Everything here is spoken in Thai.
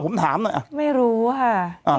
ผมถามหน่อยอ่ะไม่รู้ค่ะ